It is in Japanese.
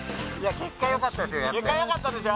結果よかったでしょ。